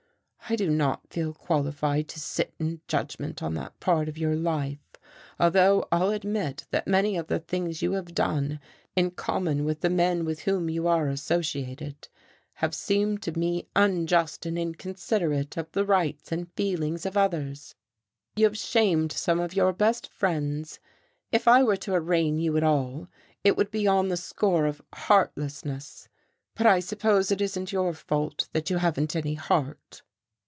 I do not feel qualified to sit in judgment on that part of your life, although I'll admit that many of the things you have done, in common with the men with whom you are associated, have seemed to me unjust and inconsiderate of the rights and feelings of others. You have alienated some of your best friends. If I were to arraign you at all, it would be on the score of heartlessness. But I suppose it isn't your fault, that you haven't any heart."